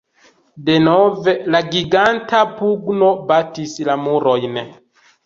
Denove la giganta pugno batis la murojn.